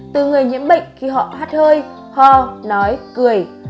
từ người nhiễm bệnh khi họ hát hơi ho nói cười